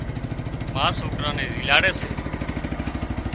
ما سوڪران نين زيلاڙي سي